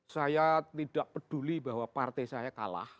saya tidak peduli bahwa partai saya kalah